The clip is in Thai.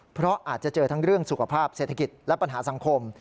เพราะอาจจะเจอทั้งเรื่องสุขภาพเศรษฐกิจและปัญหาสังคม